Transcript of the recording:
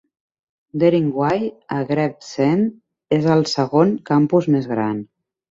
Dering Way, a Gravesend, es el segon campus més gran.